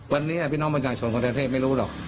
วันนี้พี่น้องบันดาลชนผลต่อเทพไม่รู้หรอก